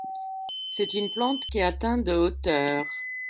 C'est une plante qui atteint de hauteur.